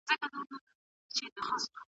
واحدې پانګي تمه سوی حاصل ور نه کړ.